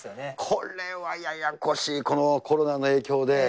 これはややこしい、このコロナの影響で。